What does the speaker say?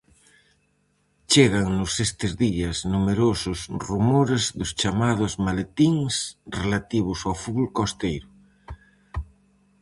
Chégannos estes días numerosos rumores dos chamados "maletíns" relativos ao fútbol costeiro.